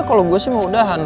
kalau gue sih mau udahan